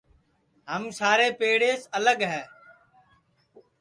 ہم سارے پیڑیس الگے ہے